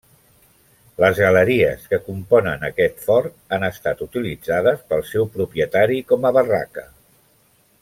Les galeries que componen aquest fort han estat utilitzades pel seu propietari com a barraca.